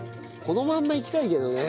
このまんまいきたいけどね